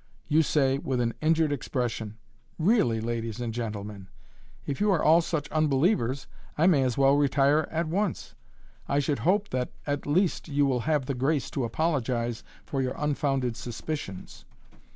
" You say, with an injured expression, " Really, ladies and gentlemen, if you are all such unbelievers, I may as well retire at once. I should hope that, at least, you will have the grace to apologize for your unfounded suspicions."